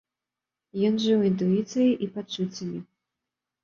Ён жыў інтуіцыяй і пачуццямі.